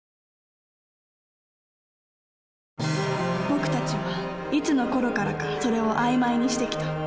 僕たちはいつのころからか「それ」を曖昧にしてきた。